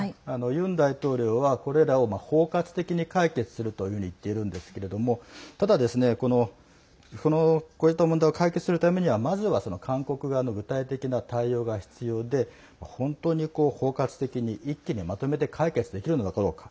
ユン大統領は、これらを包括的に解決するというふうに言っているんですけれどもただ、こういった問題を解決するためにはまずは、韓国側の具体的な対応が必要で本当に包括的に一気にまとめて解決できるのかどうか。